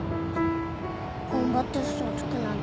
頑張って嘘をつくなんて変。